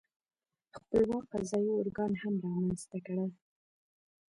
خپلواک قضايي ارګان هم رامنځته کړل.